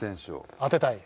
当てたい？